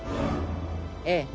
ええ。